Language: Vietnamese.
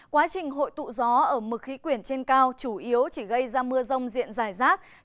quá trình hội tụ gió ở mực khí quyển trên cao chủ yếu chỉ gây ra mưa rông